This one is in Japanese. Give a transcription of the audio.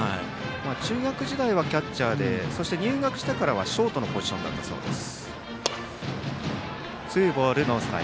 中学時代はキャッチャーでそして、入学してからはショートのポジションだったそうです。